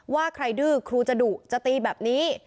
ว่าใครดื้อครูจะดุจะตีแบบนี้